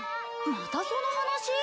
またその話？